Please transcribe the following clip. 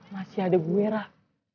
masih ada gue rara